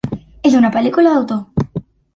És una pel·lícula d'autor.